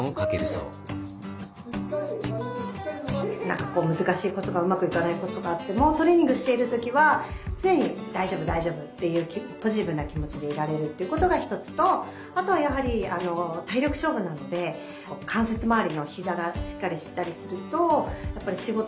何かこう難しいことがうまくいかないこととかあってもトレーニングしている時は常に大丈夫大丈夫っていうポジティブな気持ちでいられるっていうことがひとつとあとはやはり体力勝負なのでこう関節周りの膝がしっかりしたりするとやっぱり仕事もすごく楽になりますね。